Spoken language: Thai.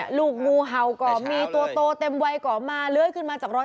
เออลูกงูเห่าก่อนมีตัวตัวเต็มวัยก่อนมาเลื้อยขึ้นมาจับรอย